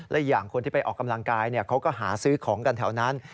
และอย่างคนที่ไปออกกำลังกายเขาก็หาซื้อของกันแถวนั้น